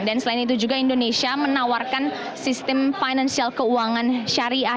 dan selain itu juga indonesia menawarkan sistem financial keuangan syariah